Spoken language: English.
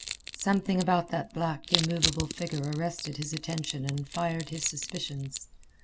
Something about that black immovable figure arrested his attention and fired his suspicions.